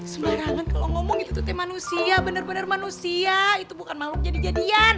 sembarangan kalo ngomong gitu tuh t manusia bener bener manusia itu bukan makhluknya di jadian